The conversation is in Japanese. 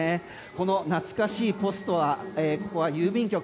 この懐かしいポストはここは郵便局。